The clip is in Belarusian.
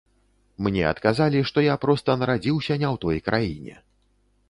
Мне адказалі, што я проста нарадзіўся не ў той краіне.